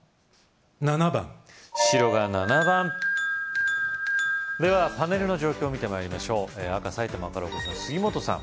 ７番白が７番・・ではパネルの状況見て参りましょう赤埼玉からお越しの杉本さん